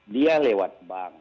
dia lewat bank